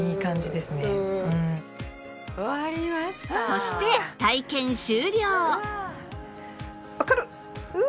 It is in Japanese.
そして体験終了